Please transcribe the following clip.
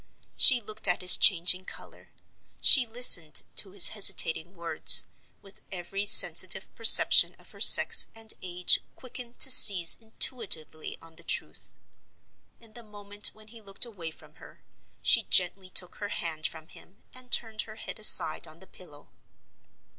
She looked at his changing color, she listened to his hesitating words, with every sensitive perception of her sex and age quickened to seize intuitively on the truth. In the moment when he looked away from her, she gently took her hand from him, and turned her head aside on the pillow.